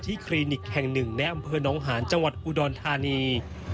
คลินิกแห่งหนึ่งในอำเภอน้องหาญจังหวัดอุดรธานี